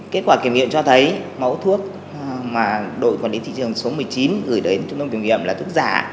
kết quả kiểm nghiệm cho thấy mẫu thuốc mà đội quản lý thị trường số một mươi chín gửi đến trung tâm kiểm nghiệm là thuốc giả